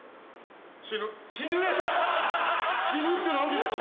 死ぬ⁉死ぬって何ですか？